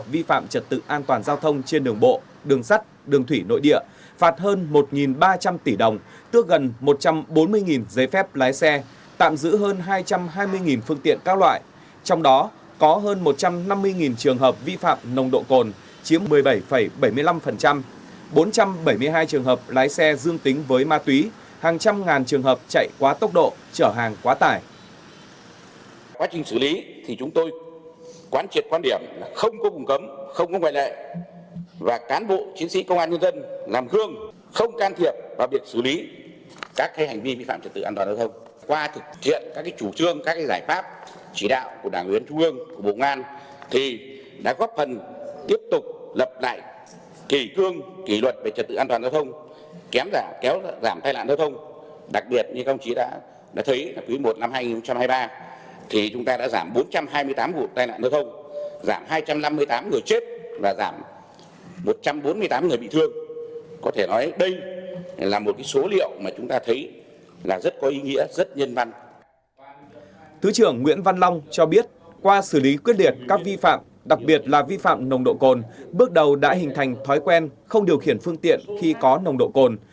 vi phạm nồng độ cồn bước đầu đã hình thành thói quen không điều khiển phương tiện khi có nồng độ cồn